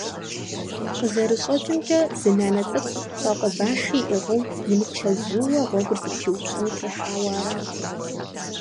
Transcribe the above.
КъызэрыщӀэкӀымкӀэ, зы нанэ цӀыкӀу, щӀакъуэ баши иӀыгъыу, имычэзууэ гъуэгур зэпиупщӀыну техьауэ арат…